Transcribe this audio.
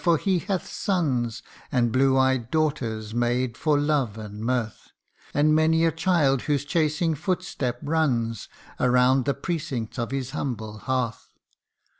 for he hath sons And blue eyed daughters made for love and mirth ; And many a child whose chasing footstep runs Around the precincts of his humble hearth.